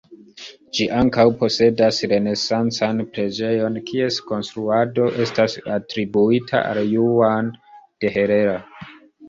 Ĝi ankaŭ posedas renesancan preĝejon kies konstruado estas atribuita al Juan de Herrera.